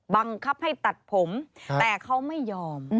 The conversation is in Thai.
บังคับให้ตัดผมแต่เขาไม่ยอม